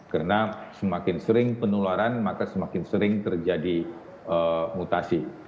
karena semakin sering penularan maka semakin sering terjadi mutasi